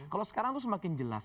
kalau sekarang itu semakin jelas